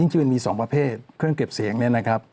จริงมันมี๒ประเภทเครื่องเก็บเสียงเนี่ยนะครับ